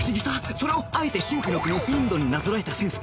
それをあえて神秘の国インドになぞらえたセンス